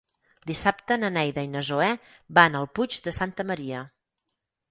Dissabte na Neida i na Zoè van al Puig de Santa Maria.